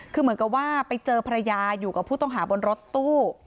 คือเหมือนกับว่าไปเจอภรรยาอยู่กับผู้ต้องหาบนรถตู้